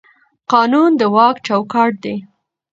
قانون د واک چوکاټ دی